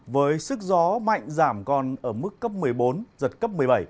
với sức gió mạnh giảm còn ở mức cấp một mươi bốn giật cấp một mươi bảy